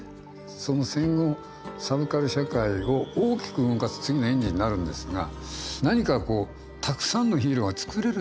その戦後サブカル社会を大きく動かす次のエンジンになるんですが何かこうたくさんのヒーローが作れるんじゃないかと。